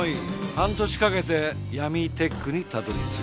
半年かけてヤミーテックにたどり着いた。